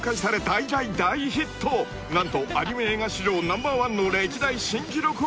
［何とアニメ映画史上ナンバーワンの歴代新記録を樹立！］